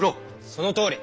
そのとおり！